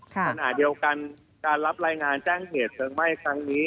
ขณะเดียวกันการรับรายงานแจ้งเหตุเพลิงไหม้ครั้งนี้